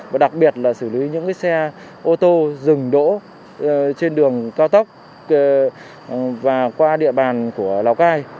và đặc biệt là xử lý những xe ô tô dừng đỗ trên đường cao tốc và qua địa bàn của lào cai